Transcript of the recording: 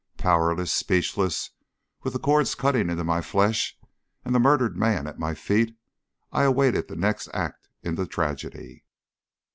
Powerless, speechless, with the cords cutting into my flesh and the murdered man at my feet, I awaited the next act in the tragedy.